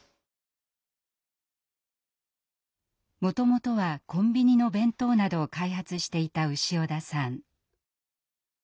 もともとはコンビニの弁当などを開発していた潮田さん。